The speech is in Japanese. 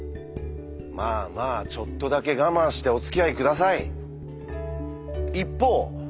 まあまあちょっとだけ我慢しておつきあい下さい。